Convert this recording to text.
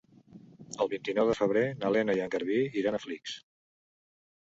El vint-i-nou de febrer na Lena i en Garbí iran a Flix.